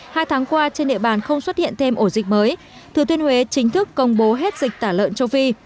hai tháng qua trên địa bàn không xuất hiện thêm ổ dịch mới thừa thiên huế chính thức công bố hết dịch tả lợn châu phi